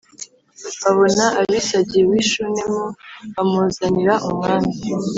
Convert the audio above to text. babona Abisagi w’i Shunemu bamuzanira umwami.